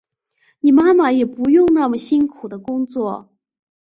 你妈妈也不用那么辛苦的工作